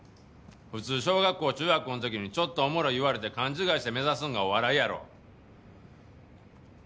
普通小学校中学校の時にちょっとおもろい言われて勘違いして目指すのがお笑いやろ。